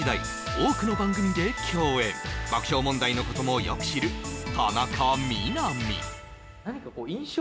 多くの番組で共演爆笑問題のこともよく知る田中みな実